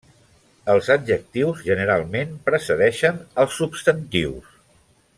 Els adjectius generalment precedeixen als substantius.